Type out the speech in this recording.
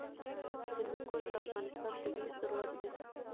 هندوکش د افغانستان طبعي ثروت دی.